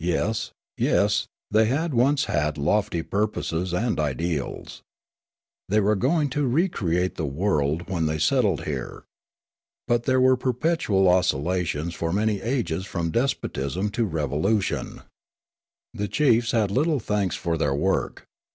Yes, yes, they had once had lofty purposes and ideals. They were going to recreate the world when they settled here. But there were perpetual oscillations for many ages from despotism to revolution. The chiefs 158 Riallaro had little thanks for their work.